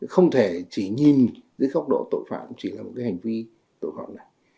không thể chỉ nhìn dưới khóc độ tội phạm chỉ là một hành vi tội phạm này